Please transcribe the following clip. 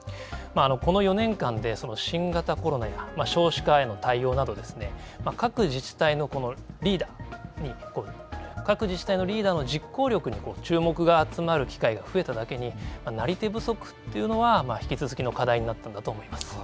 この４年間で新型コロナや少子化への対応など、各自治体のリーダーに、各自治体のリーダーに実行力に注目が集まる機会が増えただけに、なり手不足というのは、引き続きの課題になったんだと思います。